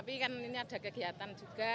ini ada kegiatan juga